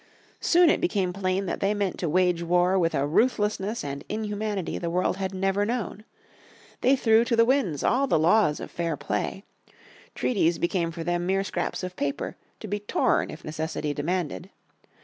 Soon it became plain that they meant to wage war with a ruthlessness and inhumanity the world had never known. They threw to the winds all the laws of "fair play." Treaties became for them mere "scraps of paper," to be torn if necessity demanded.